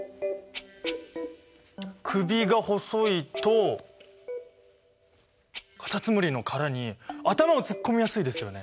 首が細いとカタツムリの殻に頭を突っ込みやすいですよね。